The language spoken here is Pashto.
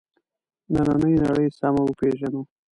نننۍ نړۍ سمه وپېژنو.